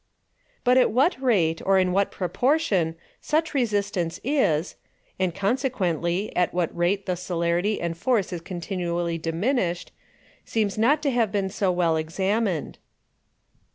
2. But at what Rate, or in what Proportion, such Resistance is; and (consequently, at what Rate the Celerity and Force is continually diminished) seems not to have been so well examined.